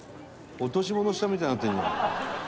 「落とし物したみたいになってるじゃん」